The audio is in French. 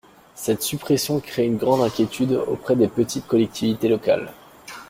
Cette suppression crée une grande inquiétude auprès des petites collectivités locales.